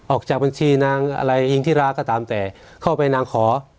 ออกจากบัญชีนางอะไรอิงทิราก็ตามแต่เข้าไปนางขอ